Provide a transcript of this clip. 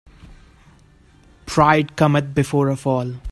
Pride cometh before a fall.